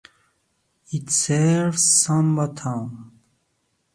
It serves Samba town.